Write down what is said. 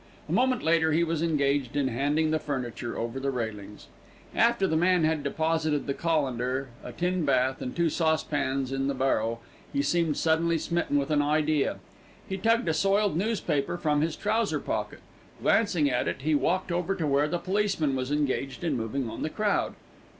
A moment later he was engaged in handing the furniture over the railings. After the man had deposited the colander, a tin bath, and two saucepans in the barrow, he seemed suddenly smitten with an idea. He tugged a soiled newspaper from his trouser pocket. Glancing at it, he walked over to where the policeman was engaged in moving on the crowd.